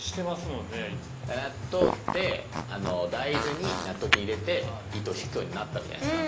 納豆って大豆に納豆菌入れて糸を引くようになったわけじゃないですか。